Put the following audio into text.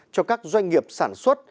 cho các doanh nghiệp sản xuất